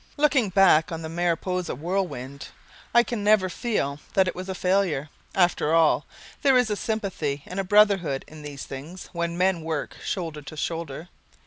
Looking back on the Mariposa Whirlwind, I can never feel that it was a failure. After all, there is a sympathy and a brotherhood in these things when men work shoulder to shoulder.